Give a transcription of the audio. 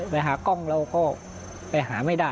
ไปหากล้องเราก็ไปหาไม่ได้